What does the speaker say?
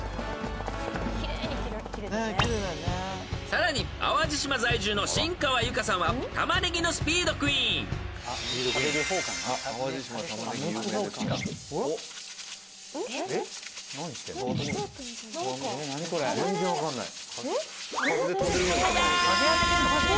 ［さらに淡路島在住の新川由佳さんはタマネギのスピードクイーン］［はやい！］